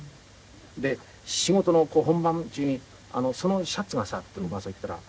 で仕事の本番中に「そのシャツがさ」って僕がそう言ったら「何？」。